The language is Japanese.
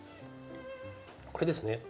これですね。